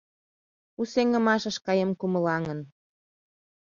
У сеҥымашыш каем кумылаҥын.